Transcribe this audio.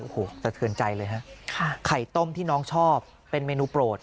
โอ้โหสะเทือนใจเลยฮะค่ะไข่ต้มที่น้องชอบเป็นเมนูโปรด